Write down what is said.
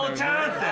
って。